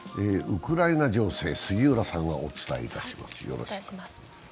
ウクライナ情勢、杉浦さんがお伝えします。